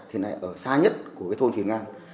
thì ở xa nhất của thôn phì ngan